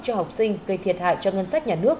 cho học sinh gây thiệt hại cho ngân sách nhà nước